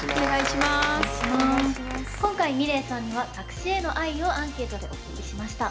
今回ｍｉｌｅｔさんには作詞への愛をアンケートでお聞きしました。